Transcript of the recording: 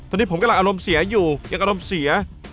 ตอนนี้ผมกำลังอารมณ์เสียอยู่ยังอารมณ์เสีย